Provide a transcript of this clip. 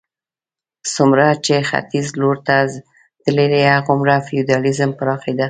څومره چې ختیځ لور ته تللې هغومره فیوډالېزم پراخېده.